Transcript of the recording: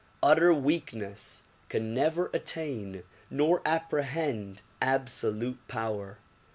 Utter weakness can never attain nor apprehend absolute power.